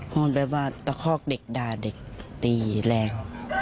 โหดแบบว่าตะคอกเด็กดาเด็กตีแรง